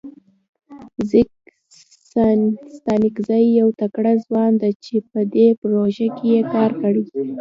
ځیګ ستانکزی یو تکړه ځوان ده چه په دې پروژه کې یې کار کړی.